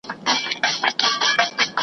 او که برعکس، .